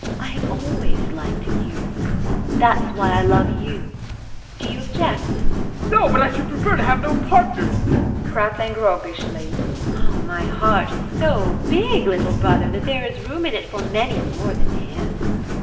TEKLA. I have always liked youth. That's why I love you. Do you object? ADOLPH. No, but I should prefer to have no partners. TEKLA. [Prattling roguishly] My heart is so big, little brother, that there is room in it for many more than him.